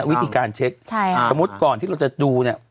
วิธีการเช็คสมมุติก่อนที่เราจะดูเนี่ย